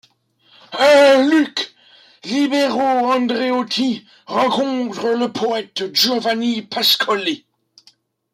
À Lucques, Libero Andreotti rencontre et le poète Giovanni Pascoli.